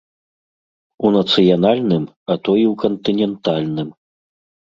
У нацыянальным, а то і ў кантынентальным.